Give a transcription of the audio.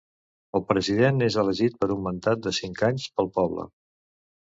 El president és elegit per un mandat de cinc anys pel poble.